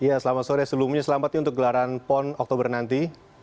ya selamat sore sebelumnya selamat untuk gelaran pon oktober nanti